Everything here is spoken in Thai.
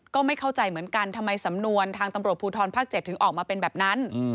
ก็ไม่เข้าใจเหมือนกันทำไมสำนวนทางตำรวจภูทรภาค๗ถึงออกมาเป็นแบบนั้น